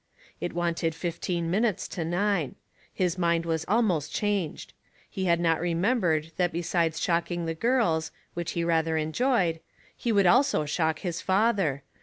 '* It wanted fifteen minutes to nine. His mind was almost changed. He had not remembered that besides shocking the girls, which he rather en joyed, he would also shock his father.